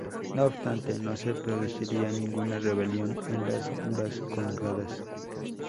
No obstante, no se produciría ninguna rebelión en las Vascongadas.